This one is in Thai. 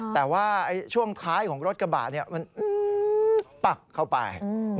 แต่ว่าช่วงท้ายของรถกระบะมันปักเข้าไป